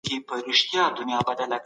د کتابونو په سرپاڼو کې ډېر رازونه پټ وي.